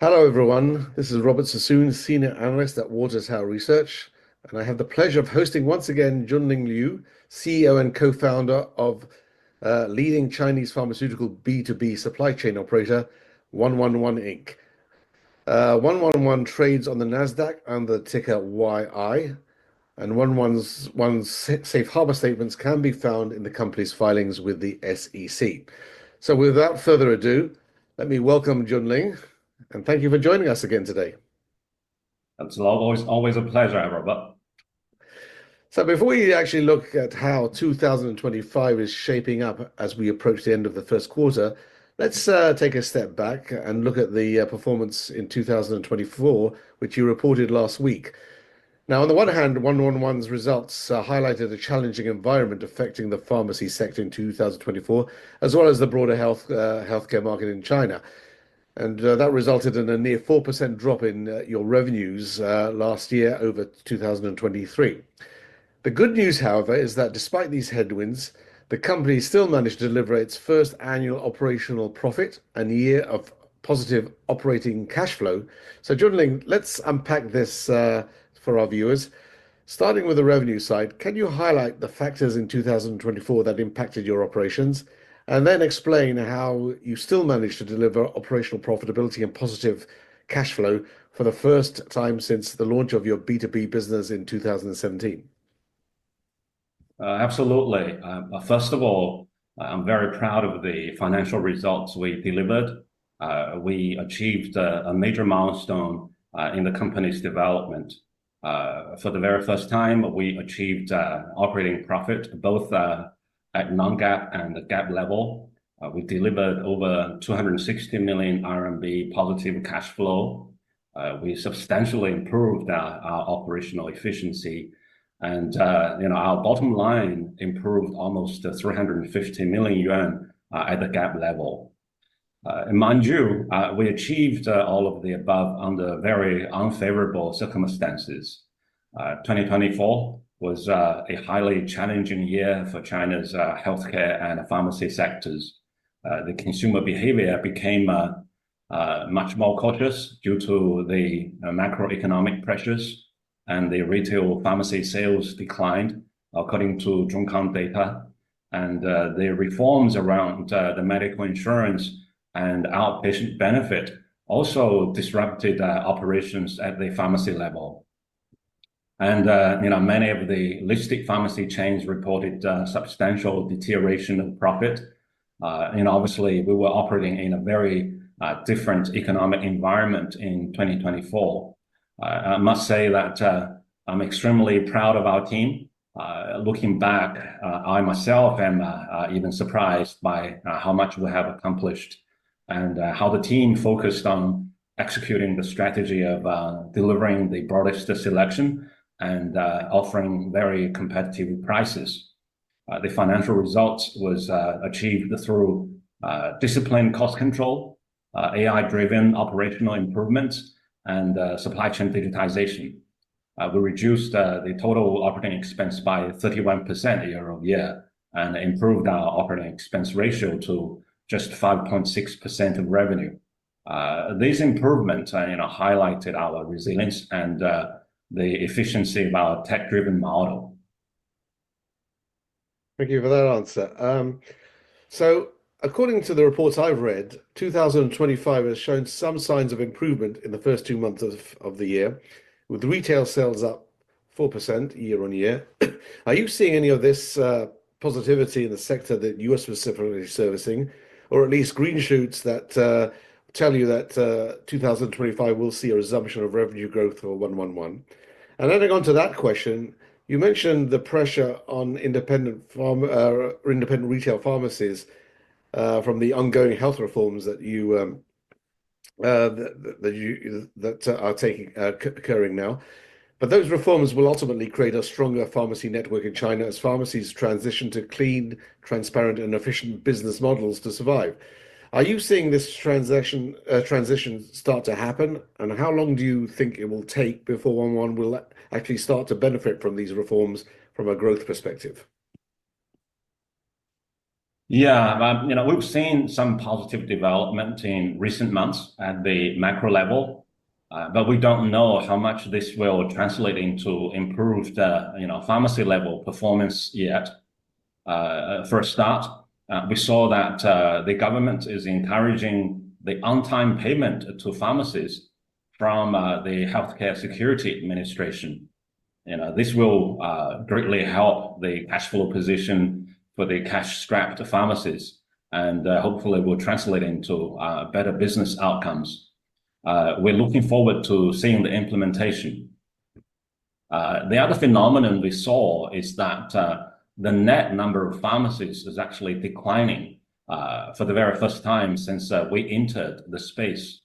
Hello everyone, this is Robert Sassoon, Senior Analyst at Water Tower Research, and I have the pleasure of hosting once again Junling Liu, CEO and Co-founder of a leading Chinese pharmaceutical B2B supply chain operator, 111, Inc. 111 trades on the Nasdaq and the ticker YI, and 111's Safe Harbor Statements can be found in the company's filings with the SEC. Without further ado, let me welcome Junling, and thank you for joining us again today. Absolutely, always a pleasure, Robert. Before we actually look at how 2025 is shaping up as we approach the end of the first quarter, let's take a step back and look at the performance in 2024, which you reported last week. Now, on the one hand, 111's results highlighted a challenging environment affecting the pharmacy sector in 2024, as well as the broader healthcare market in China, and that resulted in a near 4% drop in your revenues last year over 2023. The good news, however, is that despite these headwinds, the company still managed to deliver its first annual operational profit, a year of positive operating cash flow. Junling, let's unpack this for our viewers. Starting with the revenue side, can you highlight the factors in 2024 that impacted your operations, and then explain how you still managed to deliver operational profitability and positive cash flow for the first time since the launch of your B2B business in 2017? Absolutely. First of all, I'm very proud of the financial results we delivered. We achieved a major milestone in the company's development. For the very first time, we achieved operating profit, both at non-GAAP and the GAAP level. We delivered over 260 million RMB positive cash flow. We substantially improved our operational efficiency, and our bottom line improved almost 350 million yuan at the GAAP level. And, mind you, we achieved all of the above under very unfavorable circumstances. 2024 was a highly challenging year for China's healthcare and pharmacy sectors. The consumer behavior became much more cautious due to the macroeconomic pressures, and the retail pharmacy sales declined, according to Zhongkang data. The reforms around the medical insurance and outpatient benefit also disrupted operations at the pharmacy level. Many of the listed pharmacy chains reported substantial deterioration of profit. Obviously, we were operating in a very different economic environment in 2024. I must say that I'm extremely proud of our team. Looking back, I myself am even surprised by how much we have accomplished and how the team focused on executing the strategy of delivering the broadest selection and offering very competitive prices. The financial results were achieved through disciplined cost control, AI-driven operational improvements, and supply chain digitization. We reduced the total operating expense by 31% year-over-year and improved our operating expense ratio to just 5.6% of revenue. These improvements highlighted our resilience and the efficiency of our tech-driven model. Thank you for that answer. According to the reports I have read, 2025 has shown some signs of improvement in the first two months of the year, with retail sales up 4% year-on-year. Are you seeing any of this positivity in the sector that you are specifically servicing, or at least green shoots that tell you that 2025 will see a resumption of revenue growth for 111? Adding on to that question, you mentioned the pressure on independent retail pharmacies from the ongoing health reforms that are occurring now. Those reforms will ultimately create a stronger pharmacy network in China as pharmacies transition to clean, transparent, and efficient business models to survive. Are you seeing this transition start to happen, and how long do you think it will take before 111 will actually start to benefit from these reforms from a growth perspective? Yeah, we've seen some positive development in recent months at the macro level, but we don't know how much this will translate into improved pharmacy-level performance yet. For a start, we saw that the government is encouraging the on-time payment to pharmacies from the Healthcare Security Administration. This will greatly help the cash flow position for the cash-strapped pharmacies, and hopefully will translate into better business outcomes. We're looking forward to seeing the implementation. The other phenomenon we saw is that the net number of pharmacies is actually declining for the very first time since we entered the space.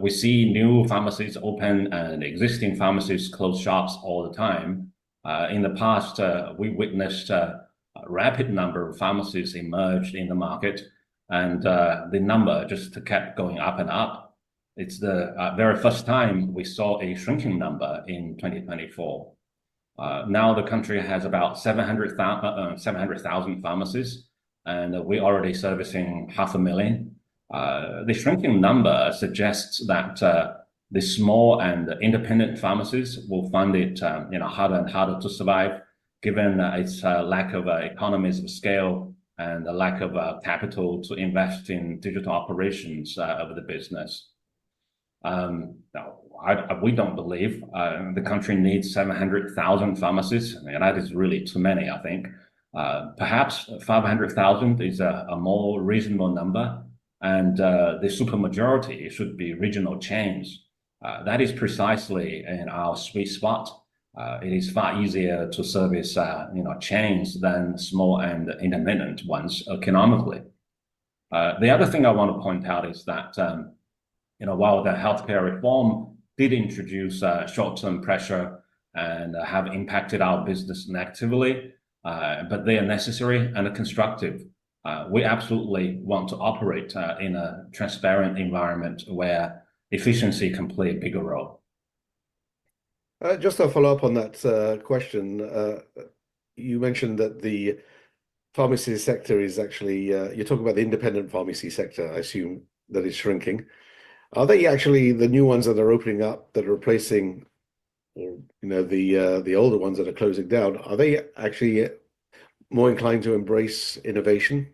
We see new pharmacies open and existing pharmacies close shops all the time. In the past, we witnessed a rapid number of pharmacies emerged in the market, and the number just kept going up and up. It's the very first time we saw a shrinking number in 2024. Now the country has about 700,000 pharmacies, and we're already servicing 500,000. The shrinking number suggests that the small and independent pharmacies will find it harder and harder to survive, given its lack of economies of scale and the lack of capital to invest in digital operations of the business. We don't believe the country needs 700,000 pharmacies, and that is really too many, I think. Perhaps 500,000 is a more reasonable number, and the super majority should be regional chains. That is precisely our sweet spot. It is far easier to service chains than small and independent ones economically. The other thing I want to point out is that while the healthcare reform did introduce short-term pressure and have impacted our business negatively, they are necessary and constructive. We absolutely want to operate in a transparent environment where efficiency can play a bigger role. Just to follow up on that question, you mentioned that the pharmacy sector is actually, you're talking about the independent pharmacy sector, I assume that is shrinking. Are they actually the new ones that are opening up that are replacing the older ones that are closing down? Are they actually more inclined to embrace innovation?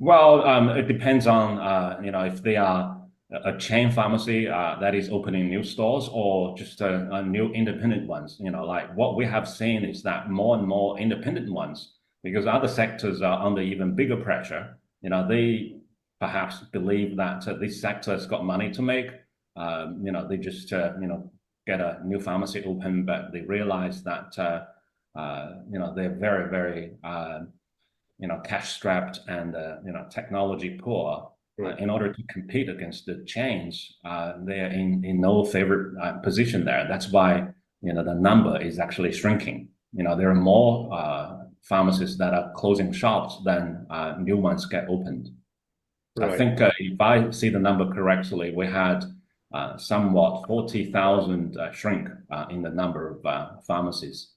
It depends on if they are a chain pharmacy that is opening new stores or just new independent ones. What we have seen is that more and more independent ones, because other sectors are under even bigger pressure, they perhaps believe that this sector has got money to make. They just get a new pharmacy open, but they realize that they are very, very cash-strapped and technology poor. In order to compete against the chains, they are in no favorite position there. That is why the number is actually shrinking. There are more pharmacies that are closing shops than new ones get opened. I think if I see the number correctly, we had somewhat 40,000 shrink in the number of pharmacies.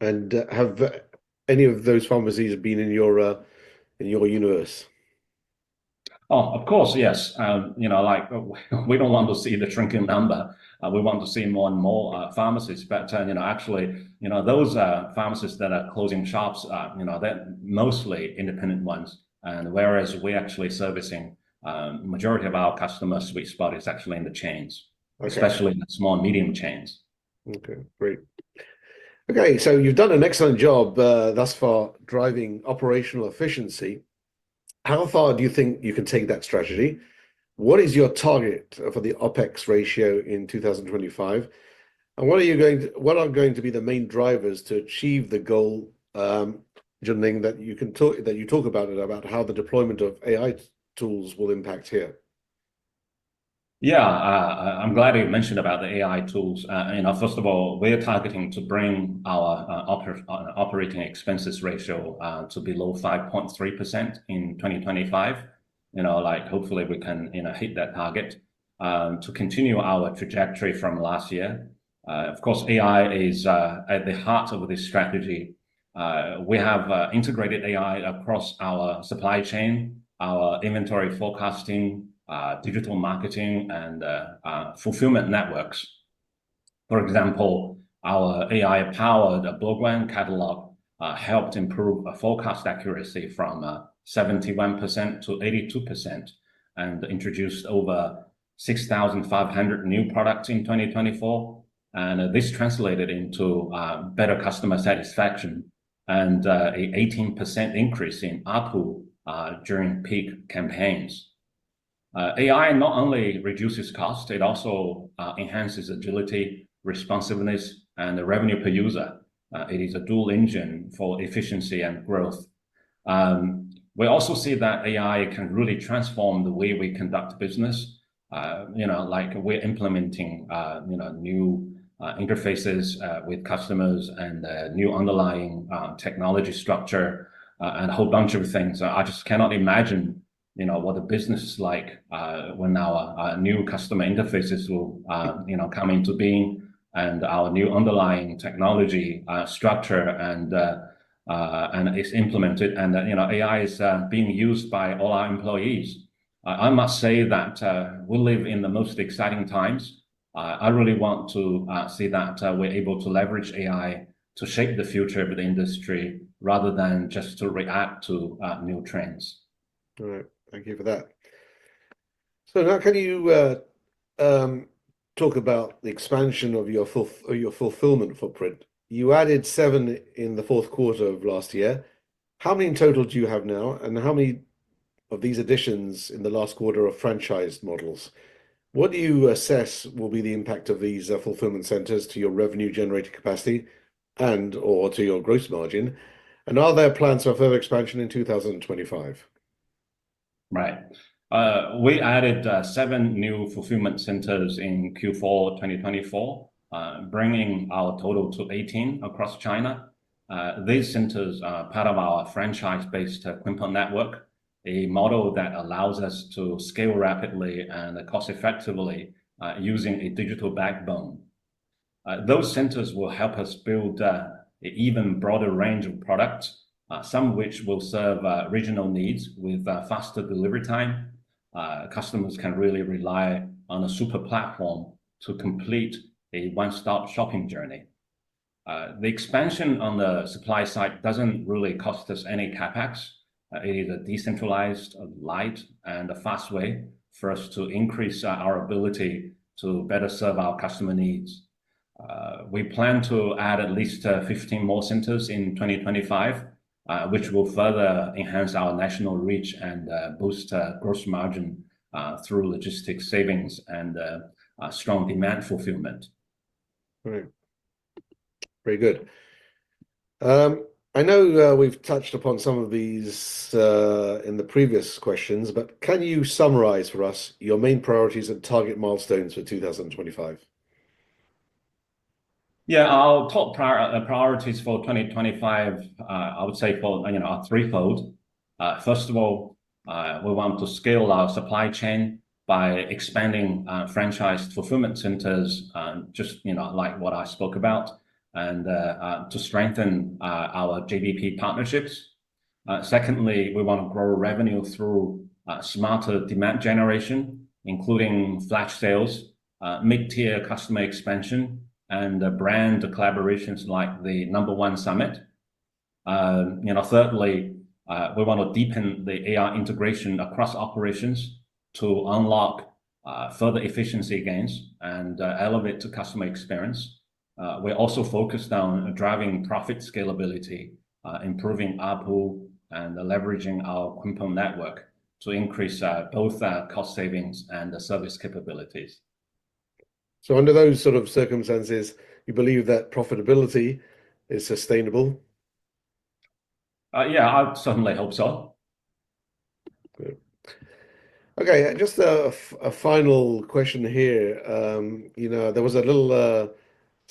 Have any of those pharmacies been in your universe? Oh, of course, yes. We do not want to see the shrinking number. We want to see more and more pharmacies. Actually, those pharmacies that are closing shops, they are mostly independent ones. Whereas we are actually servicing the majority of our customers, we spot it is actually in the chains, especially in the small and medium chains. Okay, great. Okay, so you've done an excellent job thus far driving operational efficiency. How far do you think you can take that strategy? What is your target for the OPEX ratio in 2025? What are going to be the main drivers to achieve the goal, Junling, that you talk about about how the deployment of AI tools will impact here? Yeah, I'm glad you mentioned about the AI tools. First of all, we're targeting to bring our operating expenses ratio to below 5.3% in 2025. Hopefully, we can hit that target to continue our trajectory from last year. Of course, AI is at the heart of this strategy. We have integrated AI across our supply chain, our inventory forecasting, digital marketing, and fulfillment networks. For example, our AI-powered Bo Guan catalog helped improve forecast accuracy from 71% to 82% and introduced over 6,500 new products in 2024. This translated into better customer satisfaction and an 18% increase in ARPU during peak campaigns. AI not only reduces cost, it also enhances agility, responsiveness, and the revenue per user. It is a dual engine for efficiency and growth. We also see that AI can really transform the way we conduct business. We're implementing new interfaces with customers and new underlying technology structure and a whole bunch of things. I just cannot imagine what the business is like when our new customer interfaces will come into being and our new underlying technology structure is implemented and AI is being used by all our employees. I must say that we live in the most exciting times. I really want to see that we're able to leverage AI to shape the future of the industry rather than just to react to new trends. All right, thank you for that. Now can you talk about the expansion of your fulfillment footprint? You added seven in the fourth quarter of last year. How many in total do you have now, and how many of these additions in the last quarter are franchise models? What do you assess will be the impact of these fulfillment centers to your revenue-generated capacity and/or to your gross margin? Are there plans for further expansion in 2025? Right. We added seven new fulfillment centers in Q4 2024, bringing our total to 18 across China. These centers are part of our franchise-based Quanpao Network, a model that allows us to scale rapidly and cost-effectively using a digital backbone. Those centers will help us build an even broader range of products, some of which will serve regional needs with faster delivery time. Customers can really rely on a super platform to complete a one-stop shopping journey. The expansion on the supply side does not really cost us any CAPEX. It is a decentralized, light, and fast way for us to increase our ability to better serve our customer needs. We plan to add at least 15 more centers in 2025, which will further enhance our national reach and boost gross margin through logistics savings and strong demand fulfillment. Great. Very good. I know we've touched upon some of these in the previous questions, but can you summarize for us your main priorities and target milestones for 2025? Yeah, our top priorities for 2025, I would say, are threefold. First of all, we want to scale our supply chain by expanding franchise fulfillment centers, just like what I spoke about, and to strengthen our GPO partnerships. Secondly, we want to grow revenue through smarter demand generation, including flash sales, mid-tier customer expansion, and brand collaborations like the Number One Summit. Thirdly, we want to deepen the AI integration across operations to unlock further efficiency gains and elevate the customer experience. We're also focused on driving profit scalability, improving ARPU, and leveraging our Quanpao Network to increase both cost savings and service capabilities. Under those sort of circumstances, you believe that profitability is sustainable? Yeah, I certainly hope so. Okay, just a final question here. There was a little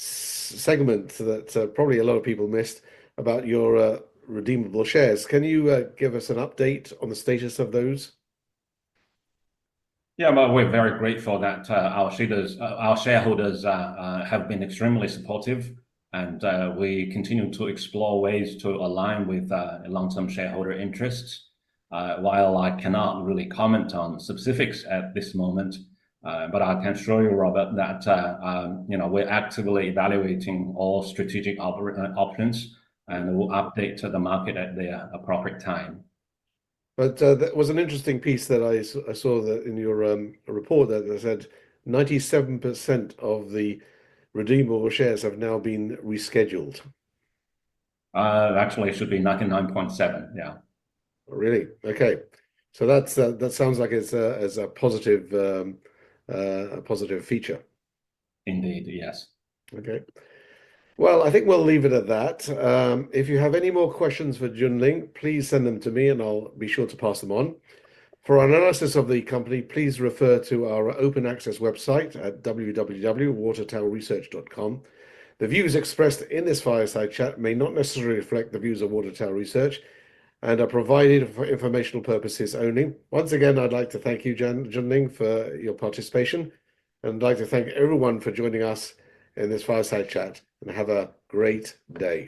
segment that probably a lot of people missed about your redeemable shares. Can you give us an update on the status of those? Yeah, we're very grateful that our shareholders have been extremely supportive, and we continue to explore ways to align with long-term shareholder interests. While I cannot really comment on specifics at this moment, I can assure you, Robert, that we're actively evaluating all strategic options and will update to the market at the appropriate time. There was an interesting piece that I saw in your report that said 97% of the redeemable shares have now been rescheduled. Actually, it should be 99.7%, yeah. Really? Okay. That sounds like it's a positive feature. Indeed, yes. Okay. I think we'll leave it at that. If you have any more questions for Junling, please send them to me, and I'll be sure to pass them on. For analysis of the company, please refer to our open access website at www.watertowerresearch.com. The views expressed in this fireside chat may not necessarily reflect the views of Water Tower Research and are provided for informational purposes only. Once again, I'd like to thank you, Junling, for your participation, and I'd like to thank everyone for joining us in this fireside chat, and have a great day.